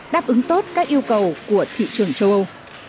đáp ứng tốt các yêu cầu của thị trường châu âu